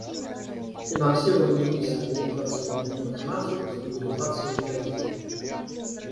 Финансирование Миссии Организации Объединенных Наций по стабилизации в Гаити.